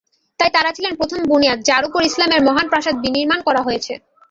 তাই তারা ছিলেন প্রথম বুনিয়াদ যার উপর ইসলামের মহান প্রাসাদ বিনির্মাণ করা হয়েছে।